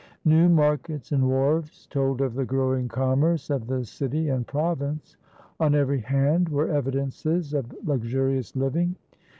New markets and wharves told of the growing commerce of the city and province. On every hand were evidences of luxurious living.